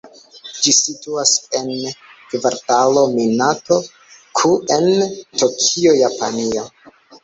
Ĝi situas en Kvartalo Minato-ku en Tokio, Japanio.